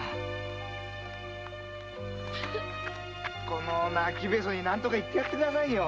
この泣きベソになんとか言ってやって下さいよ。